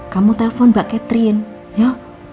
kamu telpon mbak catherine